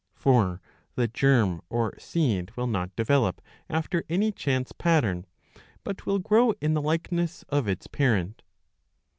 For the germ jor seed will not develop after any chance pattern,^ but will grow in the Ukeg^ess of its parent.